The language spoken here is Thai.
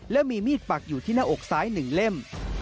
และมีมีดปักอยู่ที่หน้าอกซ้าย๑เล่ม